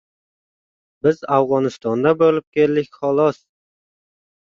Biz Afg‘onistonda bo‘lib keldik, xolos.